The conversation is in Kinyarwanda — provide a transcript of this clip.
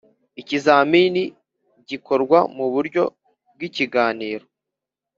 ikizamini gikorwa mu buryo bw’ikiganiro